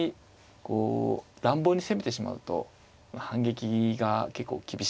こう乱暴に攻めてしまうと反撃が結構厳しいんですよね。